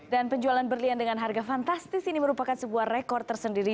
dan penjualan berlian dengan harga fantastis ini merupakan sebuah rekor tersendiri